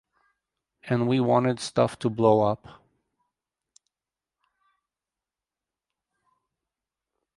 And we wanted stuff to blow up.